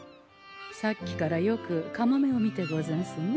さっきからよくカモメを見てござんすね。